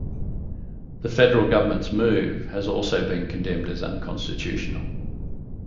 The federal governments move has also been condemned as unconstitutional.